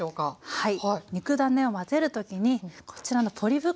はい。